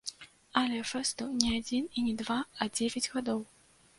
Але фэсту не адзін і не два, а дзевяць гадоў.